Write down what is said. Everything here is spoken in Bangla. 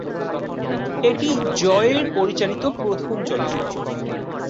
এটি জয়ের পরিচালিত প্রথম চলচ্চিত্র।